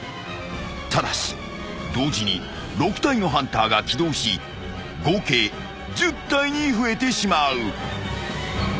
［ただし同時に６体のハンターが起動し合計１０体に増えてしまう］